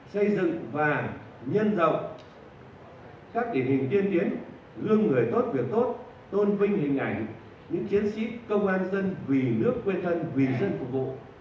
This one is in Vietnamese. xây dựng và nhân rộng các điển hình tiên tiến gương người tốt việc tốt tôn vinh hình ảnh những chiến sĩ công an dân vì nước quên thân vì dân phục vụ